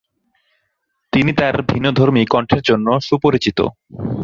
তিনি তার ভিন্নধর্মী কণ্ঠের জন্য সুপরিচিত।